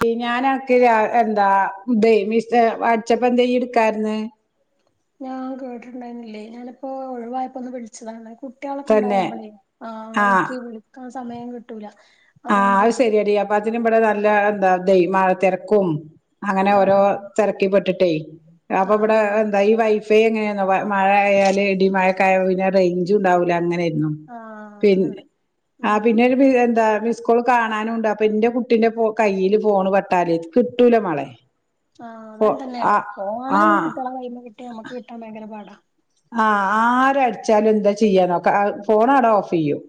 പിന്നെ ഞാന അന്ക്ക് രാ എന്താ ഇതെ മിസ്സെ അട്ച്ചപ്പെന്തേ ഇയ്യ് ഇട്ക്കാര്ന്നെ ഞാൻ കേട്ടിട്ടുണ്ടായിരുന്നില്ലേ ഞാനപ്പോ ഒഴുവായപ്പൊന്ന് വിളിച്ചതാണ് കു ട്ട്യളൊക്കെ തന്നെ ഇണ്ടാവുമ്പളേ ആഹ് ഇന്ക്ക് വിളിക്കാൻ സമയം കിട്ടൂല ആഹ് അതുകൊണ്ട് അത് ശരിയടി അപ്പ അതിന് ഇവിടെ നല്ല എന്താ മഴ തിരക്കും അങ്ങനെ ഓരോ ആഹ് തിരക്കിപ്പെട്ടിട്ടേ അപ്പൊ ആഹ് ഇവിടെ ആഹ് അത ഈ വൈഫൈ എങ്ങനെയോ മഴയായാല് ഇടി മഴയായ പിന്നെ റേഞ്ച് ഉണ്ടാവില്ല അങ്ങനെയായിരുന്നു ആഹ് പി അങ്ങനുണ്ട് ആ ഉം പിന്നെരു എന്താ സ്കൂൾ കാണാനുംണ്ട് അപ്പൊ എന്റെ കുട്ടിന്റെ കയ്യിൽ ഫോണ് പെട്ടാലേ കിട്ടൂല മൊളെ ആഹ അത തന്നെയാണ് ഫോണ് ആഹ് കുട്ടികളെ കയ്യി കിട്ടിയ നമുക്ക് കിട്ടാൻ ഭയങ്കര പാടാ ആഹ ആരടിച്ചാലും എന്താ ചെയ്യാന്നൊ ഫോൺ അവിടെ ഓഫ് ചെയ്യും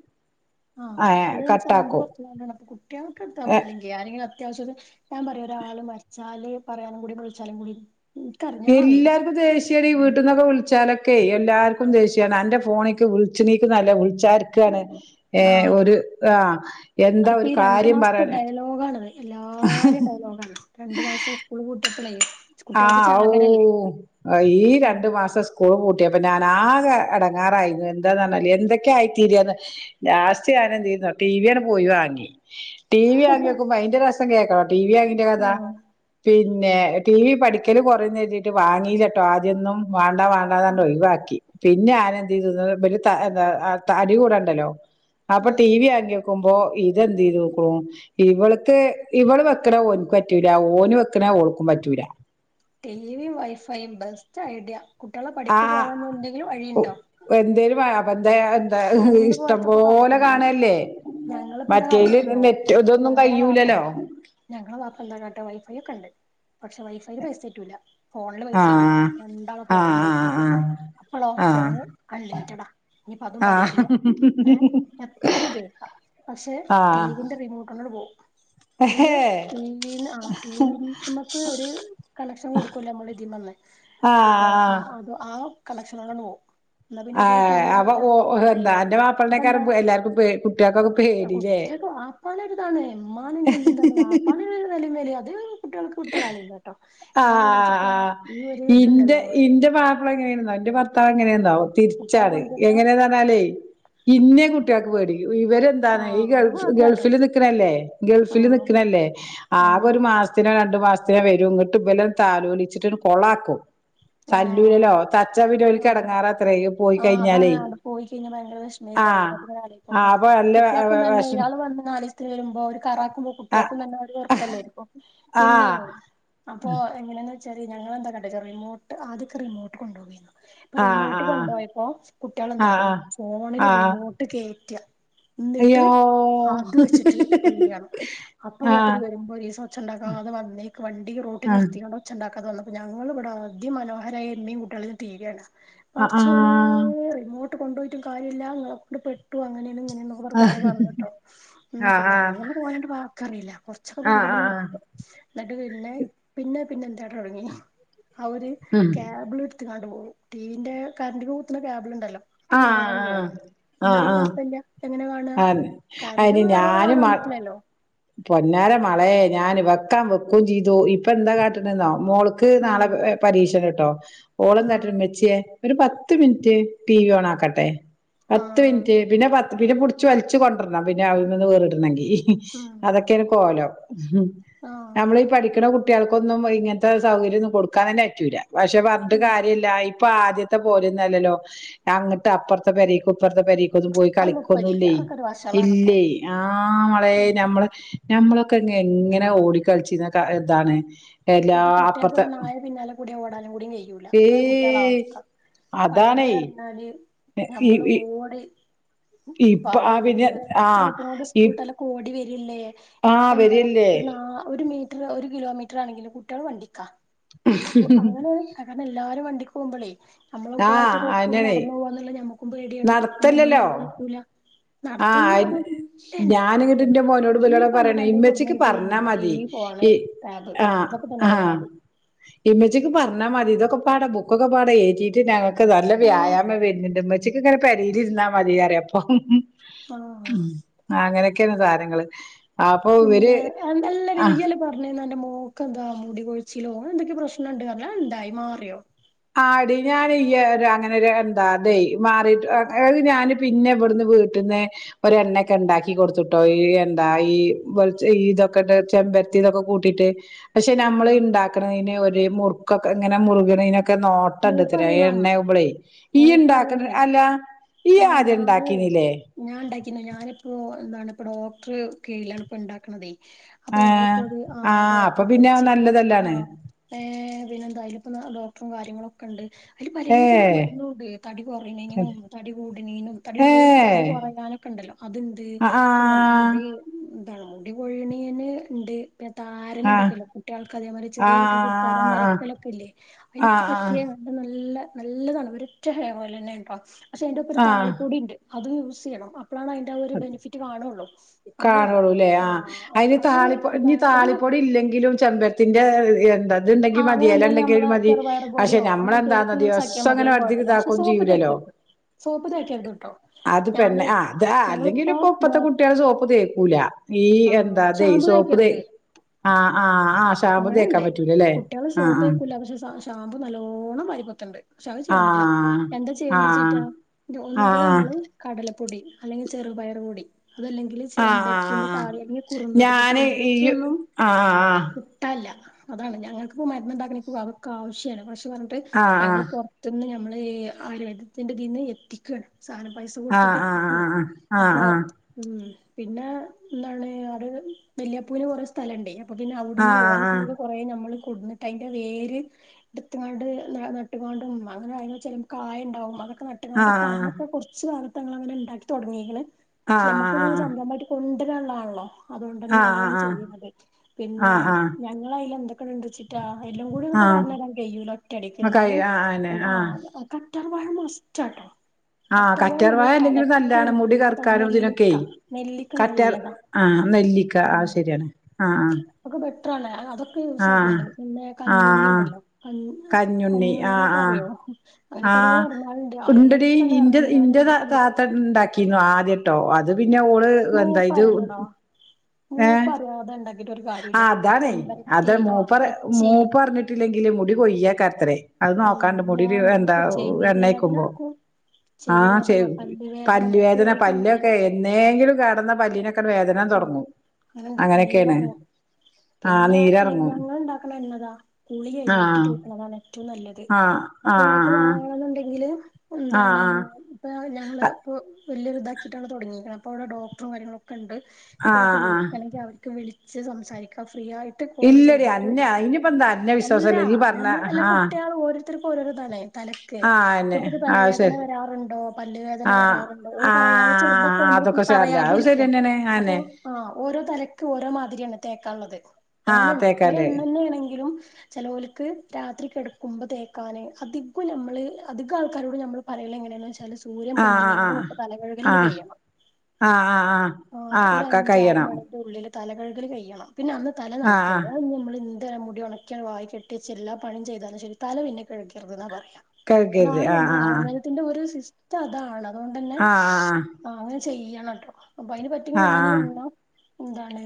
ആഹ് ഏഹ് അതന്നെ സൗണ്ട് കട്ടാക്കും കുറച്ചു അപ്പ കുട്ടികൾക്ക് എടുത്താപ്പ അല്ലെങ്കി ആരെങ്കിലും അത്യാവശ്യത്തി ഞാൻ പറയാ ഒരാള് മരിച്ചാല് പറയാനും കൂടി വിളിച്ചാലും കൂടി എനിക്കറിയാം ഞാൻ അറിയില്ല എല്ലാർക്കും ദേഷ്യാടീ വീട്ടീന്നൊക്കെ വിളിച്ചാല എല്ലാർക്കും ദേഷ്യാണ് എന്റെ ഫോണേക്ക് വിളിച്ചണീക്ക് നല്ല വിളിച്ചാർക്കാണ് ഏഹ ആഹ് ഒരു ആഹ എന്താ ഒരു കാര്യം പറയാന ലോകാന് എല്ലാരും ഡൌൺ ലോകാണ് രണ്ടു മാസം സ്കൂൾ പൂട്ടിയപ്പോള് ആഹ ഔ ഈ ഉം രണ്ടു മാസം സ്കൂള് പൂട്ടിയപ്പൊ ഞാൻ ആകെ എടെങ്ങേറായി എന്താന്നുപറഞ്ഞാല് എന്തൊക്കെ ആയിത്തീരിയന്ന് ലാസറ്റ് ഞാൻ എന്ത് ചെയ്യുന്നു ടിവി അങ്ങ് പോയി വാങ്ങി ടി വി വാങ്ങിയപ്പോ അയിന്റെ രസം കേൾക്കണോ ടി വി വാങ്ങിന്റെ കഥ ഉം പിന്നെ ടി വി പടിക്കല് കുറയുന്ന്‌ കരുതിട്ട് വാങ്ങീലട്ടോ ആദ്യൊന്നും വേണ്ടാ വേണ്ടാന്ന്‌ ഉം പറഞ്ഞു ഒഴിവാക്കി പിന്നെ ഞാനെന്ത് ചെയ്തുന്ന വ എന്താ അടി കൂടെ ഉണ്ടല്ലോ അപ്പൊ ടി ഉം വി വാങ്ങിയപ്പോൾ ക്കുമ്പോ ഇത് എന്ത് ചെയ്തേക്കുണു ഇവള്ക്ക് ഇവള് വെക്കണ ഓന്ക്ക് പറ്റൂല്ലാ ഓന് വെക്കണ ഓൾക്കും പറ്റൂലാ ടിവിയും വൈഫൈയും ബെസ്റ്റ് ഐഡിയ കുട്ടികളെ പഠിപ്പ് പോവാൻ ഇഞ്ഞി എന്തെങ്കിലും ആഹ് വഴിയുണ്ടോ എന്തേലും അപ്പ എന്തേ എന്തേ എന്ത് ഇഷ്ടം പോയത്തപ്പോ പോലെ കാട്ടിയത് കാണ്കല്ലേ ഞങ്ങളിപ്പോ എന്താ മറ്റേയില് കാട്ടാറിയോ നെറ്റ് ഇതൊന്നും കയൂലല്ലോ ഞങ്ങള വാപ്പ എന്താ കാട്ട്ക വൈഫൈ ഒക്കെ ഉണ്ട് പക്ഷെ വൈഫൈല് പൈസ കേറ്റൂല്ല ഫോണില് പൈസകേറ്റു ആഹ് രണ്ടാള ഫോണിലും പൈസകേറ്റു ആഹ് അപ്പോളോ ആഹ് ഫോണ് അൺലിമിറ്റഡാ ആഹ് ഏഹ് എത്ര ഉപയോഗിക്കാം പക്ഷെ ടി വി ന്റെ റിമോട്ട് അങ്ങോട് പോകും എഹേ ടീ വീ ന്ന് ആഹ് ടീവീന്ന് നമ്മക്ക് ഒരു കണക്ഷൻ കൊടുക്കുവല്ല നമ്മള് ഇതിമ്മെന്ന് ആഹ് ആഹ് അതോ ആ കണക്ഷനാണ് പോ അന്നാ പിന്നെ ഒരുപാട് ആഹ് ടീവി അവ കാണൂല്ല എന്താ അയ്ന് അന്റെ അപ്പ എന്താ മാപ്പിളനേക്കാരം എല്ലാർക്കും കുട്ടികൾക്കൊക്കെ അഹ് പേടില്ലേ കുട്ടികക്ക്‌ വാപ്പാനെ ഒരു ന്താണ് എമ്മാനും പറഞ്ഞ എന്താണ് വാപ്പാണ് നിലയും വിലയും അത് കുട്ടികൾക്ക് വിട്ട കളില്ലട്ടോ കാരണം വെച്ചിട്ട ഈ ഒരു ഇതുണ്ടല്ലോ എന്റെ മാപ്പള എങ്ങനേണന്നോ എന്റെ ഭർത്താവ് എങ്ങനേന്നോ കുട്ടികളെ തിരിച്ചാണ് കൊഞ്ചുന്ന എങ്ങനേന്നാ പറഞാലേ ഇന്നേ കുട്ടികൾക്ക് പേടി ഇവരെന്ന് ആ ഇതാണ് ഈ അത് ഗൾഗ് ഭാഗ്യാട്ടോ ഗൾഫില് നിക്കണേല്ലേ ആ ഗൾഫില് നിക്കണേല്ലേ ആ ആകെ ഒരു മാസ ചിന രണ്ടു മാസത്തിനു വരും എന്നിട്ട് ഇവല താലോലിച്ചിട്ട് കൊളാക്കും തല്ലൂലല്ലോ ആഹ് തച്ചാ പിന്നെ ഓൽക്ക് അതാണ് എടങ്ങേറാത്രേ പോയി ആഹ് അതാണ് കഴിഞ്ഞാലേ അവിടെ പോയി കഴിഞ്ഞ ഭയങ്കര വെഷ [unintelligible] അത് ആഹ് ഇങ്ങനെ ആലോചിക്കുമ്പോ ആഹ് അപ്പൊ നല്ല കുട്ടികൾക്കും തന്നെ വെഷമം ഇയാള് വന്ന് കാലി വരുമ്പോ ഒരു കറാക്കുമ്പോ ആഹ് കുട്ടിയാക്കും തന്നെ വെറുപ്പല്ലേ പിന്നെ ആഹ് അപ്പൊ എങ്ങനെയാന്ന് വെച്ചാല് ഞങ്ങളെന്താ കാട്ടാന്ന് വെച്ച റിമോട്ട് ആദ്യൊകെ റിമോട്ട് കൊണ്ടുപോവിന്നു ഇപ്പൊ ആഹ് റിമോട്ട് ആഹ് കൊണ്ടുപോയപ്പോ കുട്ടികള് ആഹ് എന്ത്‌ കാട്ടും ആഹ് ഫോണില് ആഹ് റിമോട്ട് കേറ്റ്ക എന്നിട്ട് അയ്യോ അത് വെച്ചിട്ട് റ്റി വി കാണ്ക അപ്പം ആഹ് മൂപ്പരി വരുമ്പോ ഒരീസം ഒച്ചേണ്ടാക്കാതെ വന്നേക്ക് വണ്ടി റോട്ടി ആഹ് നിർത്തികൊണ്ട് ഒച്ചേണ്ടാക്കാതെ വന്നപ്പം ഞങ്ങൾ ഇവിടെ അതി മനോഹരായി എന്നേം കുട്ടികളേം റ്റി വി കാണ്ക അ പടച്ചോനെ റിമോട്ട് കൊണ്ട് പോയിട്ടും കാര്യല്ലാ ഇങ്ങളെ കൊണ്ട് പെട്ടു അങ്ങനെണ് ഇങ്ങനേണ്ന്ന് പ അവർ ആഹ് കൊറെ പറഞ്ഞുട്ടോ ആഹ് മ്മ് ആഹ് പിന്നെ ആഹ് അങ്ങനെ പോയോണ്ട് വാക്കറിയില്ല കൊറച്ചൊക്കെ ആഹ് പറഞ്ഞിട്ടങ്ങോട്ട് ആഹ് നിർത്തും എന്നിട്ട് പിന്നെ പിന്നെ പിന്നെ എന്താട്ട് തുടങ്ങി ആ ഒരു ഉം കേബിള് എടുത്ത്ങ്ങാണ്ട് പോകും ടിവിന്റെ കറന്റില് കുത്തണ കേബിളുണ്ടല്ലോ അത് ഊരിക്കാണ്ട് ആഹ് അങ്ങോട്ട് പോകും എന്നാ ആഹ് പിന്നെ ആഹ് കൊഴപ്പമില്ല എങ്ങനെ കാണ്ക അതെ കറണ്ട് കേറാതെ കാണാൻ പറ്റില്ലല്ലോ പൊന്നാരാ മോളെ ഞാൻ വെക്കാ വെക്കും ചെയ്തു ഇപ്പൊ എന്താ കാട്ടണെന്നോ മോള് ക്ക് ഉം നാളെ പേ ഏഹ് പരീക്ഷേണ് കേട്ടോ ഓള് എന്താ കാട്ട്ണ് ആഹ് ഉമ്മച്ചിയെ ഒരു പത്ത് മിനിറ്റ് ടി വി ഓണാക്കട്ടെ പത്ത് ആഹ് മിനിറ്റ് പിന്നെ പത്ത് പിന്നെ പിടിച്ച് വലിച്ചു കൊണ്ടരണം പിന്നെ അവിടുമ്മേന്ന് വേറിടണെങ്കി ഉം അതൊക്കെയാണ് കോലം നമ്മളീ ആഹ് പഠിക്കണ കുട്ടികൾക്കൊന്നും ഇങ്ങനെ ത്ത സൗകര്യം ഒന്നും കൊടുക്കാൻ തന്നെ പറ്റില്ല പക്ഷെ പറഞ്ഞിട്ട് ഉം കാര്യവില്ല ഇപ്പൊ ആദ്യത്തെ പോലൊന്നും അല്ലല്ലോ അങ്ങിട്ട് അപ്പുറത്തെ പെരേക്കും ഇപ്പുറത്തെ പെരേക്കും പൊതും പോയി അതൊന്നും കളിക്കൊന്നും ഇപ്പല്ല ഇല്ലേ അതൊക്കെ ഒരു വഷളാണിപ്പോ ഇല്ലേ ആഹ് മളെ ഉം ഞമ്മള് ഞമ്മളൊക്കെങ്ങ് എങ്ങനെ ഓടി കളിച്ചിരുന്ന ഇതാണ് എല്ലാ അപ്പുറത്തെ കൂടെ ഓടാനും കൂടി കയ്യൂല്ല ല്ല ഇതാ ഏയ് കുട്ടികളവസ്ഥ പണ്ട് അതാണേ പറഞ്ഞാല് ഈ നമ്മള് ഈ ഓടി ഇപ്പ ആ പ്പാഞ്ഞ് പിന്നെ വീട്ടില് ആ ഇത്ര പോണ്ട് ഈ സ്കൂൾ വിട്ടാലൊക്കെ ഓടി വരുവല്ലേ ആ ഇപ്പം എന്താ വരിയല്ലേ ഒരു നാ ഒരു മീ റ്ററ് ഒരു കിലോമീറ്റർ ആണെങ്കിലും കുട്ടികള് വണ്ടിക്ക കു അങ്ങനെ അങ്ങനെ എല്ലാരും വണ്ടിക്ക് പോകുമ്പോളേ നമ്മളെ ആ കുട്ടികളായിട്ട് റോട്ട് കൂടി അയന്നെണേ നടന്നു പോകവാന്നുള്ള ഞമ്മക്കും പേടിയാണ് അപ്പൊ നമ്മളും നടത്തല്ലല്ലോ പറഞ്ഞയക്കൂല ആഹ് നടത്തന്ന് അയ്ന് പറഞ്ഞാൽ ഞാനിങ്ങട്ട് ഇന്റെ മോനോട് ഇബലോടാ പറയണേ ഇമ്മച്ചിക്ക് പറഞ്ഞാ [unintelligible] ഓൺലൈൻ ടാബ് ആ ഇതൊക്കെ തന്നെ പരിപാടി ഇമ്മച്ചിക്ക് പറഞ്ഞാൽ മതി ഇതൊക്കെ പാടാ ബുക്കൊക്കെ പാടാ ഏറ്റി ഞങ്ങൾക്ക് നല്ല ആഹ് വ്യായാമം വരുന്നുണ്ട് ഉമ്മച്ചിക്ക് ഇങ്ങനെ പെരയിലിരുന്നാ മതി പറയും ഇപ്പം ആഹ് മ്മ് അങ്ങനെയൊക്കെയാണ് കാര്യങ്ങള് അപ്പൊ ഇവര് പിന്നെ ആ [unintelligible] പറഞ്ഞിരുന്നു അന്റെ മോൾക്ക് എന്താ മുടികൊഴിച്ചിലോ എന്തൊക്കെ പ്രശ്നുണ്ട് പറഞ്ഞല്ലോ അത് എന്തായി മാറിയോ ആടി ഞാൻ ഇയ്യ് അങ്ങനെ എന്താ അതെ മാറിട്ട് അത് ഞാന് പിന്നെ ഇവിടുന്ന് വീട്ട ട്ട്ന്ന് ഓര് എണ്ണയൊക്കെ ഇണ്ടാക്കി കൊടുത്തുട്ടോ ഈ എന്താ ഈ വെളി ഇതൊക്കെ ഇട്ടിട്ട് ചെമ്പരത്തി ചെമ്പരത്തി ഇതൊക്കെ കൂട്ടിട്ട് പക്ഷെ നമ്മൾ ആഹ് ഇണ്ടാക്കുന്നതിന് ഒരു മുറുക്കൊക്കെ ഇങ്ങനെ മുറുകണതിനൊക്കെ നോ നോട്ടമുണ്ടത്രേ മൂപ്പറിയണം എണ്ണ ആകുമ്പളേ ഈയ്യ് ഉണ്ടാക്ക മൂപ്പറിയണേ അല്ല ഇയ്യ് ആഹ് ആദ്യം ഞാനേ ഉണ്ടാക്കീനില്ലേ ഞാൻ ഇണ്ടാക്കിന് ഞാനിപ്പോ എന്താണ് ഇപ്പം ഡോക്ടർടെ കീഴിലാണ് ഇപ്പം ഉണ്ടാക്കണതേ അപ്പൊ ആഹ് ഞങ്ങളിപ്പോ അത് ആ ആഹ് അപ്പൊ ഡോക്ടറൊക്കെ പിന്നെ അത് വെച്ചിട്ട് ആ നല്ലതല്ലാണ് ഏഹ് പിന്നെന്താ അയിലിപ്പം ഡോക്ടറും കാര്യങ്ങളും ഒക്കെ ഉണ്ട് അയില് പലേതിലുള്ള ഏഹ് മരുന്ന് ഉണ്ട് തടി കുറയണതിനും തടി കൂടണതിനും തടി ഉള്ളവർക്ക് തടി ഏഹ് കുറയാനും ഒക്കെ ഉണ്ടല്ലോ അത് ഉണ്ട് ആഹ് പിന്നെ മുടി എന്താണ് മുടി പൊഴിയണിതിന് ഉണ്ട് പിന്നെ താരന് ആഹ് ആഹ് ഉണ്ടൊക്കെല്ലോ കുട്ടികൾക്ക് അതേ പോലെ ചെറിയ കുട്ടികൾകൊക്കെ തല ആഹ് ആഹ് ആഹ് നിരക്കലൊക്കെ ഇല്ലേ അതിനൊക്കെ ആഹ് പറ്റും ആഹ് നല്ല നല്ലതാണ് ഒരു ഒറ്റ ഹെയർ ഓയിൽ തന്നെയാണ് കേട്ടോ പക്ഷെ അതിൻ്റെ ഒപ്പരം ഒരു ആഹ് താളിപ്പ് കൂടിയുണ്ട് അതും യൂസ് ചെയ്യണം അപ്പോഴാണ് അതിന്റെ ആ ഒരു ബെനിഫിറ്റ് കാണുള്ളു കാണുള്ളൂല്ലേ. ആഹ് അയിന് ഈ താളി പൊ ഈ എന്താണ് ഒരു താളിപൊടി ഇല്ലെങ്കിലും ചെമ്പരത്തിന്റെ എ എന്താ ത് ണ്ടെങ്കി ആഹ് മതി. അങ്ങനെ എല എന്തെലും ണ്ടെങ്കി നമ്മള് മതി. ചെറുപയർ പക്ഷെ പൊടിയോ അങ്ങനെ എന്തെലുമൊക്കെ നമ്മളെന്താന്ന് യൂസ് ആക്കിയാൽ ദിവസ്സം മതി അങ്ങനെ അതിന് ർഥി കുഴപ്പമില്ല പക്ഷെ താക്കൊ ന്ന് സോപ്പ് ചെയൂലല്ലോ? തേക്കരുത് സോപ്പ് തേക്കരുത് കേട്ടോ അത് പെണ്ണെ ഞാനേ അത് അല്ലെങ്കില് ഞങ്ങളിപ്പോ പ്പ ഇപ്പത്തെ കുട്ട്യള് സോപ്പ് തേക്കൂല. ഈ ആഹ് എന്താ തെ ഷാമ്പു സോപ്പുതെ തേക്കരുത് ആഹ് ആഹ് ആഹ് ഷാമ്പു അങ്ങനെണ്ട് തേക്കാൻ പറ്റൂല ല്ലേ? കുട്ടികള് ആഹ് സോപ്പ് ആഹ് തേക്കൂല പക്ഷെ ഷാമ്പു നല്ലോണം വാരി പൊത്ത്ണ്ട്. പക്ഷേ അഹ് ചെയ്യാൻ പറ്റില്ല. ആഹ് എന്താ ചെയ്യേണ്ട്ന്ന് ആഹ് വെച്ചിട്ടാ ഒന്നെങ്കില് ആഹ് നമ്മള് കടലപ്പൊടി അല്ലെങ്കില് ചെറുപയർ പൊടി അതല്ലെങ്കില് ആഹ് ആഹ് ആഹ് ചെമ്പ ആഹ് പിന്നെ ആഹ് താളി അല്ലെങ്കിൽ കുറുന്തോട്ടി. ഇപ്പൊ ഞാന് ഈ കുറുന്തോട്ടിയെന്നും ആഹ് ആഹ് ട്ടാല്ല. അതാണ് ഞങ്ങക്ക് പ്പോ മരുന്ന് ഉണ്ടാക്കണ പ്പോ അവർക്ക് ആവശ്യണ്. പക്ഷെ പറഞ്ഞിട്ട് ആഹ് ഞങ്ങൾ ആഹ് പൊർ ത്ത്ന്ന് നമ്മള് ആയുർവേദത്തിന്റെ തീന്ന് എത്തിക്കണ്. സാധനം പൈസ കൊടുത്തിട്ട്. ഉം ആഹ് അപ്പൊ ആഹ് ഉം പിന്നെ എന്താണ് ആറ് വല്യപ്പൂന് കൊറെ സ്ഥലണ്ടേ അപ്പൊ പിന്നെ ആഹ് അവിടുന്ന് ആഹ് ഓല തീന്ന് കുറേ നമ്മള് കൊണ്ടുവന്നിട്ട് അയിന്റെ വേര് എടുത്ങ്ങാണ്ട് നട്ടുകാണ്ടും അങ്ങനെ അയിന് വെച്ച ചെല കായ ഉണ്ടാവും. അതൊക്കെ ട്ട് ങ്ങാണ്ട് അന്നൊക്കെ കുറച്ച് ഭാഗത്തങ്ങൾ അങ്ങനെ ണ്ടാക്കി തുടങ്ങിയിക്കണ്. ആഹ് ആഹ് പക്ഷെ നമുക്ക് ഇത് ആഹ് സംരഭയിട്ട് കൊണ് ണ്ടരാള്ളാണല്ലോ. അതുകൊണ്ട് തന്നെ ആഹ് ആഹ് അങ്ങനെയാണ് ചെയ്യുന്നത്. പിന്നെ ആഹ് ആഹ് ആഹ് ആഹ് ഞങ്ങള് അയില് എന്തൊക്കെട്ണ്ട് ചെ റ്റ എല്ലും കൂടി പ്പം ആഹ് പറഞ്ഞു തരാൻകഴിയൂല ഒറ്റടിക്ക്. എന്നാലും ആഹ് എന്താ ആഹ് ആഹ് കറ്റാർവാഴ മസ്റ്റ്ട്ടോ. ആഹ് കറ്റാർവാഴ നമ്മൾ അല്ലെങ്കിലും തലക്ക് നല്ലാണ് മുടി നല്ലതാണ്. കറുക്കാനും ഇതിനൊക്കെ നെല്ലിക്ക നെല്ലിക്ക കറ്റാർ നല്ലതാ ആഹ് നെല്ലിക്ക ഉം ആഹ് ശരിയാണ്. ആഹ് ആഹ് ഒക്കെ ബെറ്ററാണ്. അതൊക്കെ യൂസ് ആഹ് ആക്കണ്ട് പിന്നെ ആഹ് കഞ്ഞുണ്ണി ആഹ് ണ്ടല്ലോ? കഞ്ഞു കഞ്ഞുണ്ണി ആഹ് ആഹ് കഞ്ഞുണ്ണിനൊക്കെറിയോ? അങ്ങനൊക്കെ ഓരോ ആഹ് മരുന്നുകൾണ്ട്. ഉണ്ടെടി ആയുർവേദത്തിൽ തന്നെ ഇന്റെ ഇന്റെ എന്തൊക്ക താത്ത ഉണ്ടാക്കീന്ന് ആദ്യട്ടോ. അത് പിന്നെ ഓള് എന്തായിത് കൂപ്പറിയാതെ ണ്ടാക്കി ആഹ് അതാണേ അത് മൂപ്പ തെച്ചി മൂപ്പറിഞ്ഞിട്ടില്ലെങ്കില് മുടി കൊയ്യക്കത്ര. അത് നോക്കാണ്ട് അള്ളാ മുടിൽ എന്താ മൂപ്പ് ചെവി വേദന എണ്ണേക്കുമ്പോ.? എടുക്കും ചെവി ആഹ് വേദന ചെവ് പല്ല് പല്ല് മൂപ്പ് വേദന. കേറി പലൊക്കെ കഴിഞ്ഞാല് എന്നേങ്കിലും കേടന്ന പല്ലിനൊക്കെ വേദന ന്നാ ആ തൊടങ്ങും. അങ്ങനെണ്ട് അങ്ങനെക്കേണ്. നീരെറങ്ങും പിന്നെ ഈ ഞങ്ങൾണ്ടാക്കണ എണ്ണതാ. കുളി ആ കഴിഞ്ഞിട്ട് തേക്കണതാണ് ഏറ്റവും നല്ലത്. ആ ആ ആ അപ്പൊ ഇങ്ങക്ക് ആ വാണ ന്ന്ണ്ടെങ്കില്. ആ എന്താണ്? ഇപ്പോൾ ഞങ്ങള് ഇപ്പോ വല്യരു താക്കിട്ടാണ് തുടങ്ങിയിരിക്കണത്. അപ്പോൾ അവിടെ ഡോക്ടറും കാര്യങ്ങളൊക്കെ ണ്ട്. ആ ആ ഇപ്പോ ങ്ങക്ക് ആ വിളിക്കണെങ്കി അവർക്ക് വിളിച്ച് സംസാരിക്കാം. ഫ്രീ ആയി ട്ട് കോള് ഇല്ലടി ചെയ്തിട്ട്. അന്നെ അയിനിപ്പ എന്താ അന്നെ അല്ല വിശ്വാസല്ല ഈ പറഞ്ഞ ഞമ്മള് അല്ല ആ കുട്ട്യാള്. ഓരോരുത്തർക്കും ഓരോ താണ്. തല ക്ക് ആ അന്നെ കുട്ടിക്ക് തല ആ വേദന ശരി വരാറുണ്ടോ? പല്ലുവേദന ആ വരാറുണ്ടോ ഓൾ ആ പറയാതെ ചെറുതൊകാവുമ്പോ. അതൊക്കെ സാരല്ല അത് പറയാതിരിക്കും. ശരിയന്നെയാണ് അപ്പോ അന്നെ ആഹ് ഓരോ തലക്ക് ഓരോ മാതിരിയാണ് തേക്കാള്ളത്. ആഹ് അങ്ങനെണ്ട്. തേക്കാല്ലേ ഒരെണ്ണെ ന്നേ ണെങ്കിലും. ചെലോൽക്ക് രാത്രി കിടക്കുമ്പോ തേക്കാന് അധികും നമ്മള് അധികം ആൾക്കാരോട് നമ്മള് പറയെല് എങ്ങനെ വെച്ചാല് സൂര്യ ആഹ് പൊന്ദ്ണെന്റെ മുൻപ് തല ആഹ് കഴുകലാണ്ട് ആഹ് കയ്യണം. ആഹ് ആഹ് ആഹ് ആഹ് ഒരു ക അഞ്ചാറ് കയ്യണം മണിന്റെ ഉള്ളില് തല കഴുകൽ കയ്യണം. പിന്നെ അന്ന് തല ആഹ് ആഹ് നനക്കരുത്. അത് നമ്മൾ. ട്ട് മുടി ഉണക്കി വായി കെട്ടിവെച്ച പിന്നെ എല്ലാ പണി ചെയ്താലും ശരി പിന്നെ തല പിന്നെകഴുകരുത് ന്നാ പറയാ. കഴുകരുത് അതാണ് ആഹ് നമ്മള ആയുർവേദ ത്തിന്റെ ഒരു സിസ്റ്റം അതാണ് അതോണ്ട് ന്നെ ആഹ് ആഹ് അങ്ങനെ ചെയ്യണം ഇപ്പൊ അയിന്പ റ്റിയ ആഹ് ഞാനീ ആഹ് എണ്ണ എന്താണ്-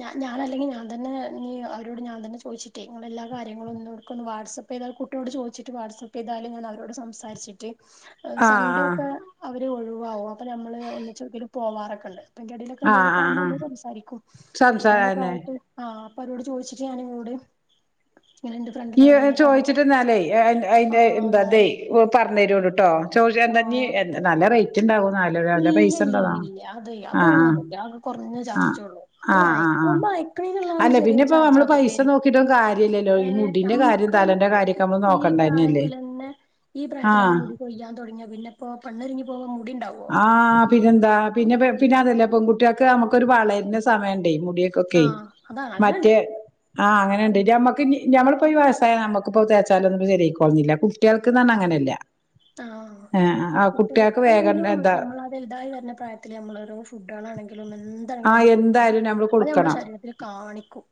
ഞാ ഞാനല്ലെങ്കി ഞാന്തന്നെ നീ അവരോട് ഞാൻതന്നെ ചോദിച്ചിട്ടേ ഇങ്ങളെ എല്ലാ കാര്യങ്ങളും ന്നോടുക്കൊന്ന് വാട്അ പ്പെയ്താൽ കുട്ടിയോട് ചോയിച്ചിട്ട് വാട്സപ്പെയ്താല് ഞാൻ അവരോട് സംസാരിച്ചിട്ട് ആഹ് ആഹ് സൺഡേ ഒക്കെ ആഹ് അവര് ഒഴിവാവും അപ്പൊ നമ്മള് ഒന്നിചെങ്കിലും പോവാറൊക്കെണ്ട്. ആഹ് അതിന്റെടേലൊക്കെന്തേലൊക്കാ വുമ്പൊ ആഹ് അമ്മള് സംസാരിക്കും സംസാരന്നെ അങ്ങനേക്കായിട്ട് ആഹ് അപ്പൊ അവരോട് ചോയി ച്ചിട്ട് ഞാനിങ്ങളോട് ഇങ്ങനെ എന്റെ ഇയ് ഫ്രണ്ടിനോട് ഇങ്ങനെ ചോയിച്ചിട്ട് കാര്യങ്ങളൊക്കെ ചോദിച്ചിട്ട് എന്നാലേ ആ അയിന്റ എന്താ ഞാന് തെ പറഞ്ഞു തരുവോണ്ട് ട്ടോ ചോയിച്ച ആ എന്താ ഞ്ഞ് നല്ല റേ റ്റ്ണ്ടാവൊനല്ല ന്നല്ല ഇല്ല ഇല്ല പൈസണ്ടാവൊ ഇല്ല ഇല്ല അത് ആഹ് അതങ്ങനൊന്നുല്ല അത് കൊറഞ്ഞ ആഹ് ആഹ് ചാർജേ ഉള്ളൂ അത് ആഹ് ആഹ് ആഹ് അയക്കുമ്പോ അയക്കണേനുള്ള ഒരു അല്ല പിന്നെ ചെറിയൊരു ഇപ്പൊ ചാർജ് അമ്മള് പൈസ നോക്കീട്ടൊ കാര്യല്ലല്ലോ ഈ മു നമ്മക്കല്ലെങ്കിഈ പ്രായത്തിലെന്നെ ഈ പ്രായത്തിലെന്നെ ആഹ് മുടി കൊയ്യാൻ തൊടങ്ങിയ പിന്നെപ്പൊ പെണ്ണൊരിങ്ങി പോവോ മുടിണ്ടാവൊ? ആഹ് പിന്നെന്താ പിന്നെ പിന്നെ അതല്ല പെൺകുട്ടിയൾക്ക് നമുക്കൊരു വളരിണ സമയണ്ടേ മുടി ക്കൊക്കെ ആഹ് അതാണ് മറ്റേ അങ്ങനെണ്ട് ആഹ് അങ്ങനെണ്ട് ഞമ്മക്കിന്നി ഞമ്മളിപ്പയി വയസായ നമ്മക്കിപ്പൊ തേച്ചാലൊന്നും ശെരിയായി കോളന്നില്ല കുട്ടിയൾക്ക്ന്നറഞ്ഞ അങ്ങനെല്ല. ആഹ് ആഹ് കുട്ടികൾക്ക് കുട്ടിയക്ക് വേഗം അല്ലേലും എന്താ നമ്മളത് വലുതായി വരുന്ന പ്രായത്തിലെ നമ്മള് ഓരോ ഫുഡാളാണെങ്കിലും എ ന്താണെങ്കിലും ആഹ് നമ്മള് കൊടുക്കണം എന്തായാലും നമ്മള് അത് നമ്മുടെ കൊടുക്കണം ശരീരത്തില് കാണിക്കും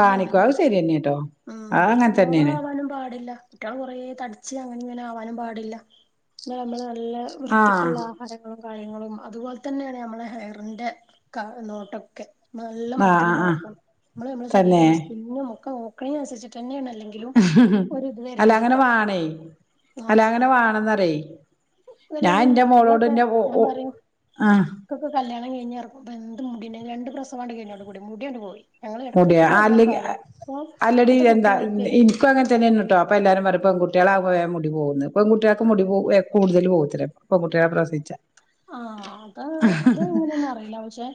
അതങ്ങനേണ്. [unintelligible] ഉം അങ്ങനെ തന്നെയാണ് ഓവറാവാനും പാടില്ല. കുട്ടിയള് കൊറേ തടിച്ച് അങ്ങനെ ഇങ്ങനെ ആവാനും പാടില്ല പിന്നെ നമ്മള് നല്ല ആഹ് വൃത്തിക്കുള്ള ആഹാരങ്ങളും കാര്യങ്ങളും അതുപോലെ തന്നെയാണ് ഞമ്മളെ ഹെയറിന്റെ ക നോട്ടൊക്കെ. നല്ല ആഹ് മട്ടത്തില് ആഹ് ആഹ് നോക്കണം മ്മള് മ്മളെ തന്നെ ശരീരം സ്കിന്നും ഒക്കെ നോക്ക് ണീന് അനുസരിചിട്ടെന്നെയാണ് അല്ലെങ്കി ങ്കിലും ഒരിത് അല്ല വര്ണത് അങ്ങനെ ട്ടൊ വാണേ ആഹ് ആഹ് [unintelligible] ഞാൻ അതല്ലെങ്കില് എന്റെ മോളോട് ഞമ്മളൊക്കെ എന്റെ ഓ ഓ ഞാമ്പറയും ആഹ് ഇക്കൊക്കെ കല്യാണം കഴിഞ്ഞ് എറങ്ങുമ്പൊ എന്ത് മുടിണ്ടായിനി രണ്ട് പ്രസവാണ്ട് കഴിഞ്ഞോണ്ട് കൂടി മുടി ആണ്ട് പോയി ഞങ്ങള് മുടിയാ എടക്കെടക്ക് പറഞ്ഞൊരു അല്ലെങ്കി കാര്യാ ഇപ്പൊ ഇപ്പത്തെ കുട്ടിയൾക്കെ ഇക്കും അങ്ങനെ തന്നേണീട്ടൊ അപ്പൊ എല്ലാരും പറയും പെൺകുട്ടിയളാമ്പൊ വേം മുടി പോകോന്ന് പെൺകുട്ടിയക്ക് മുടി കൂടുതല് പോകത്തില്ല- പെങ്കുട്ടികളെ പ്രസവിച്ച- ആഹ് അത് അത് എങ്ങനേന്നറിയില്ല പക്ഷെ-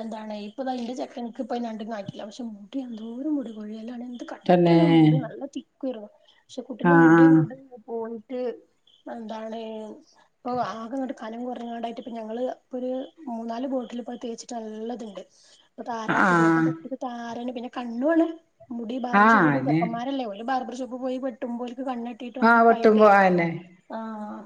എന്താണ് ഇപ്പതാ ഇന്റെ ചെക്കൻക്ക് ഇപ്പ രണ്ടും [unintelligible] പക്ഷെ മുടി എന്തോരം മുടികൊഴിയലാണ്. തന്നെ കട്ടിയുള്ള മുടി നല്ല തിക്കു ആയിരുന്നു പക്ഷെ കുട്ടീന്റെ മുടി ആഹ് അങ്ങട്ട് പോയിട്ട്- എന്താണ് പ്പൊ ആകെങ്ങട്ട് കനം കൊ [unintelligible] ണ്ടായിട്ട്പ്പ ഞങ്ങള് ഇപ്പൊര് മൂന്നാല് ബോട്ടില് ഇപ്പൊ തേച്ചിട്ട് നല്ലത്ണ്ട്- ഇപ്പൊ താരനൊക്കെ പോയി അപ്പൊ ആഹ് ന്റെ കുട്ടിക്ക് താരന് പിന്നെ കണ്ണുവാണ്- മുടി ആഹ് ബാർബർഷോപ്പി ആഹ് പോയി അന്നെ ചെക്കന്മാരല്ലേ ഓല് ബർബർ ഷോപ്പി പോയി വെട്ടുമ്പോ ഓല്ക്ക് കണ്ണ് തട്ടീട്ടും ആഹ് അങ്ങനൊക്കായിട്ടേ വെട്ടുമ്പോ അന്നെ ആഹ്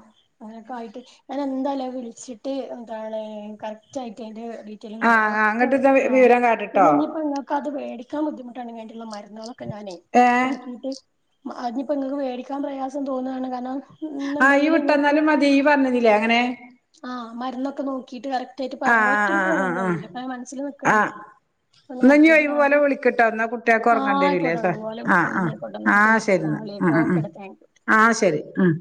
അങ്ങനൊക്കെ ആയിട്ട് ഞാനെന്തായാലും- വിളിച്ചിട്ട് എന്താണ് കറക്റ്റായിട്ട് അയിന്റെഡീ- റ്റയ്ലും ആഹ് കാര്യങ്ങളൊക്ക അങ്ങട്ട്ത്തെ ആഹ് വിവരം കാട്ട്ട്ടോ പിന്നെ ഇനി ഇപ്പം ഇങ്ങ- ക്കത് മേടിക്കാൻ ബുദ്ധിമുട്ടാണെങ്കി വേണ്ടിള്ള മരുന്നുകളൊക്കെ ഞാനെ ഏഹ് നോക്കീട്ട്- അതിനിപ്പൊ ഇങ്ങക്ക് മേടിക്കാൻ പ്രയാസം തോന്നാണ് കാരണം ന്ന്ണ്ടെങ്കില് നിങ്ങക്ക്- നീ പറഞ്ഞന്നില്ലേ അങ്ങനെ- ആഹ് മരുന്നൊക്കെ നോക്കിയിട്ട് കറക്റ്റായിട്ട് പറയണം ആഹ് ആഹ് ഒറ്റടിക്ക് ആഹ് പറയാൻ കഴിയൂല കാരണം മനസ്സില് നിക്ക്ണില്ല ഇന്നാ ഇഞ് ഒഴിവ് പോലെ വിളിക്ക്ട്ടോ എന്നാ കുട്ട്യേക്ക് ആഹ് ഒറങ്ങണ്ട്യേരുലേ ആയിക്കോട്ടെ അതാ ഓലെ ആഹ് വിളിക്കണ്ട് എന്നാ ആഹ് ആയിക്കോട്ടെ എന്നാ ശരി ആഹ് ശരിന്നാ അസ്സലാമു അലൈക്കും ഉം ഉം ഓക്കെടാ താങ്ക് യു ആഹ് ശരി ഉം